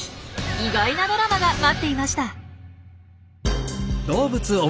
意外なドラマが待っていました。